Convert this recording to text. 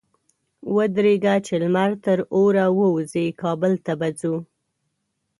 ودرېږه! چې لمر تر اوره ووزي؛ کابل ته به ځو.